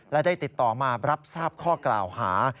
และได้ติดต่อมารับทราบข้อกล่าวหา